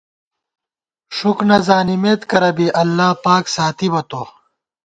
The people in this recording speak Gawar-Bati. ݭُک نہ زانِمېت کرہ بی، اللہ پاک ساتِبہ تو